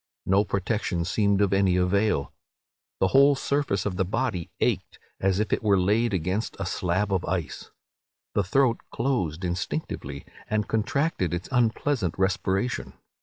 No protection seemed of any avail. The whole surface of the body ached as if it were laid against a slab of ice. The throat closed instinctively, and contracted its unpleasant respiration.